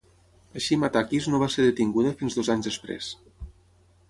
Ashima Takis no va ser detinguda fins dos anys després.